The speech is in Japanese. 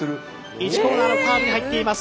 １コーナーのカーブに入っています。